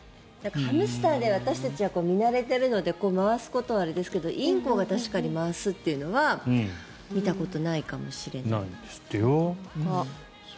ハムスターで私たちは見慣れているので回すことはあれですけどインコが確かに回すというのは見たことないかもしれない。